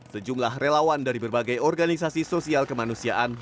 sejumlah relawan dari berbagai organisasi sosial kemanusiaan